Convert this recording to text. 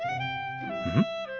うん？